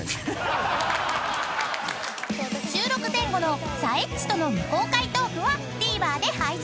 ［収録前後のさえっちとの未公開トークはＴＶｅｒで配信］